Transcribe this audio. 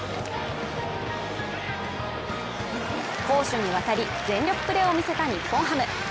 攻守にわたり全力プレーを見せた日本ハム。